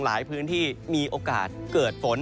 หลายพื้นที่มีโอกาสเกิดฝน